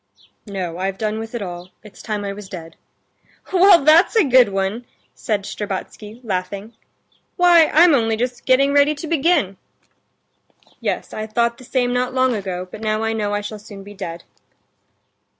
"No, I've done with it all. It's time I was dead." "Well, that's a good one!" said Shtcherbatsky, laughing; "why, I'm only just getting ready to begin." "Yes, I thought the same not long ago, but now I know I shall soon be dead."